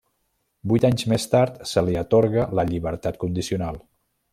Vuit anys més tard, se li atorga la llibertat condicional.